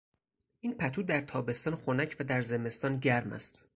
این پتو در تابستان خنک و در زمستان گرم است.